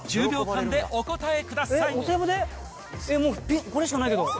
もう、これしかないけど。